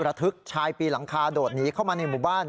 ระทึกชายปีหลังคาโดดหนีเข้ามาในหมู่บ้าน